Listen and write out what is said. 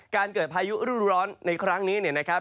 การเกิดพายุรุ่นร้อนในครั้งนี้นะครับ